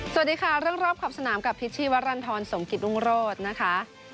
สวัสดีค่ะเรื่องรอบขอบสนามกับพิษชีวรรณฑรสมกิตรุงโรธนะคะ